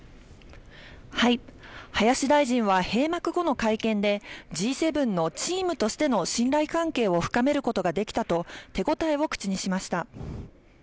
林大臣は閉幕後の会見で、Ｇ７のチームとしての信頼関係を深めることができたと、手応えを口にしました。